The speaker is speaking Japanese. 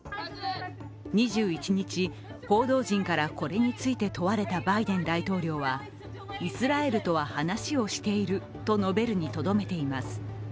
２１日、報道陣からこれについて問われたバイデン大統領はイスラエルとは話をしていると述べるにとどめています。